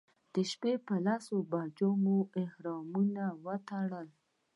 د شپې په لسو بجو مو احرامونه وتړل.